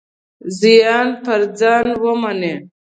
زیان پر ځان ومني.